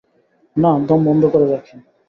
নাহ, দম বন্ধ করে রাখি।